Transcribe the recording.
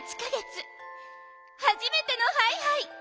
はじめてのハイハイ」。